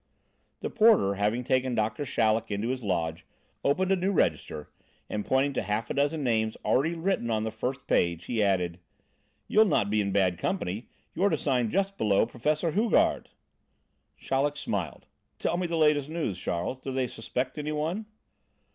The porter, having taken Doctor Chaleck into his lodge, opened a new register, and pointing to half a dozen names already written on the first page, he added: "You'll not be in bad company; you're to sign just below Professor Hugard." Chaleck smiled. "Tell me the latest news, Charles. Do they suspect anyone?"